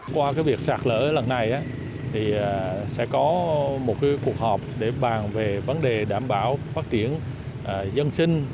qua việc sạt lở lần này sẽ có một cuộc họp để bàn về vấn đề đảm bảo phát triển dân sinh